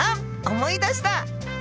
思い出した！